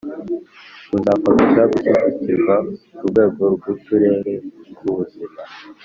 ruzakomeza gushyigikirwa ku rwego rw'uturere tw'ubuzima.